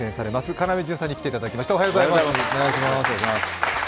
要潤さんに来ていただきました。